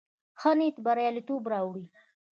ښه نيت برياليتوب راوړي.